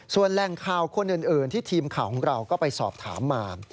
ส่วนแหล่งข่าวคนอื่นที่ทีมข่าวของเราก็ไปสอบถามมา